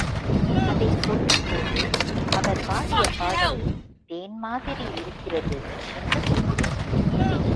அதைச் சொல்லும்போது, அவர் பாடிய பாடல் தேன் மாதிரி இருக்கிறது என்று சொல்கிறோம்.